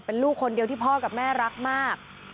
เป็นลูกคนเดียวที่พ่อกับแม่รักมาก